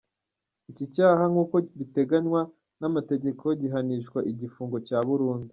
Iki cyaha nkuko biteganywa n’amategeko gihanishwa igifungo cya burundu.